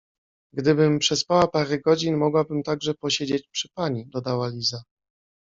— Gdybym przespała parę godzin, mogłabym także posiedzieć przy pani — dodała Liza.